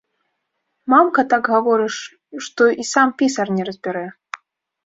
Мамка, так гаворыш, што і сам пісар не разбярэ.